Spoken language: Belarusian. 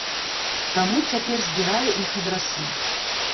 Таму цяпер збірае іх адрасы.